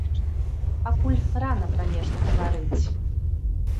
Пакуль рана пра нешта гаварыць.